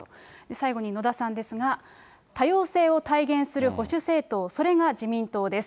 最後に野田さんですが、多様性を体現する保守政党、それが自民党です。